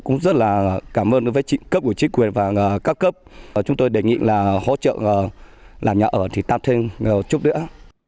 chúng tôi cảm ơn với cấp của chính quyền và các cấp chúng tôi đề nghị là hỗ trợ làm nhà ở thì tạm thêm một chút nữa